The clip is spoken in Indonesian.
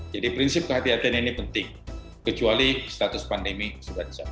jadi prinsip kehatian ini penting kecuali status pandemi sudah dicabut